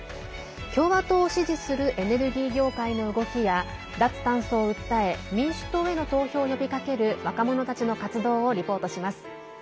共和党を支持するエネルギー業界の動きや脱炭素を訴え民主党への投票を呼びかける若者たちの活動をリポートします。